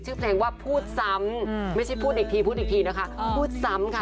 ชื่อเพลงว่าพูดซ้ำไม่ใช่พูดอีกทีพูดอีกทีนะคะพูดซ้ำค่ะ